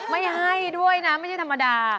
ไม่ให้ด้วยนะไม่ใช่ธรรมดา